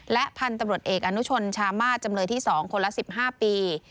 และพันธุ์ตำรวจเอกอนุชนชามาศจำเลยที่๒คนละ๑๕ปี